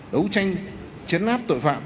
đấu tranh chiến áp tội phạm